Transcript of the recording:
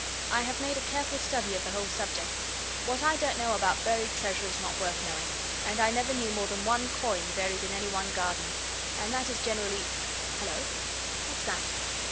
I have made a careful study of the whole subject. What I don't know about buried treasure is not worth knowing. And I never knew more than one coin buried in any one garden and that is generally Hullo what's that?